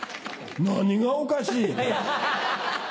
何がおかしい！